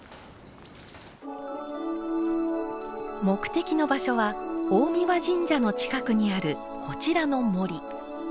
目的の場所は大神神社の近くにあるこちらの森。